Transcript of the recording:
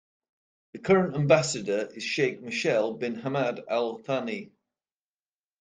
The current ambassador is Sheikh Meshal bin Hamad Al Thani.